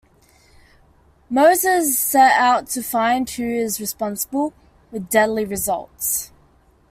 Moses sets out to find out who is responsible--with deadly results.